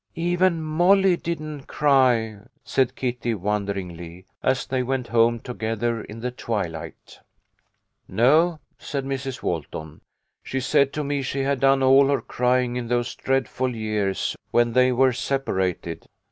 " Even Molly didn't cry," said Kitty, wonderingly, as they went home together in the twilight. " No," said Mrs. Walton, " she said to me that she had done all her crying in those dreadful years when they were separated.